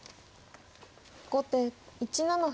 後手１七歩。